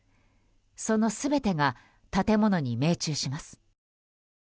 その全てが建物に命中します。